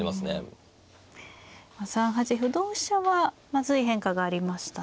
３八歩同飛車はまずい変化がありましたね。